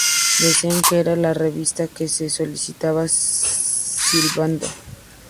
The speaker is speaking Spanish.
Decían que era la revista que se solicitaba silbando.